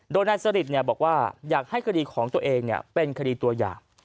โดยนายสริตบอกว่าอยากให้คดีของตัวเองเป็นคดีตัวอย่าง